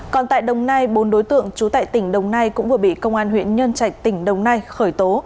còn tại đồng nai bốn đối tượng trú tại tỉnh đồng nai cũng vừa bị công an huyện nhân trạch tỉnh đồng nai khởi tố